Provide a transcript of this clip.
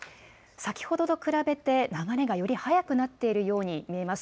先ほどと比べて、流がより速くなっているように見えます。